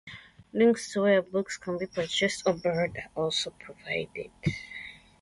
Links to where books can be purchased or borrowed are also provided.